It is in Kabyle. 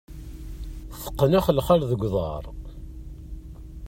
Teqqen axelxal deg uḍar.